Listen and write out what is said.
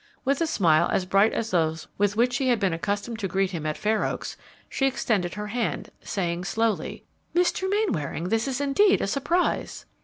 With a smile as bright as those with which she had been accustomed to greet him at Fair Oaks, she extended her band, saying, slowly, "Mr. Mainwaring, this is indeed a surprise!"